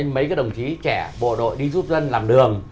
mấy các đồng chí trẻ bộ đội đi giúp dân làm đường